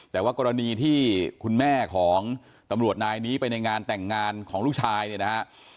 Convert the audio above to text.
แต่ว่ากรณีที่คุณแม่ของตำรวจนายนี้ไปในงานแต่งงานของลูกชายเนี่ยนะฮะ